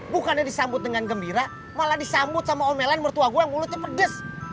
bukannya disambut dengan gembira malah disambut sama omelan mertua gue yang mulutnya pedes